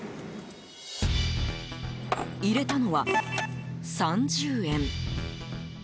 入れたのは、３０円。